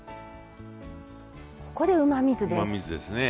ここでうまみ酢です。